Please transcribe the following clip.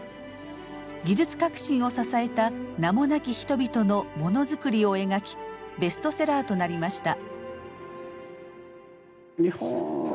技術革新を支えた名もなき人々のものづくりを描きベストセラーとなりました。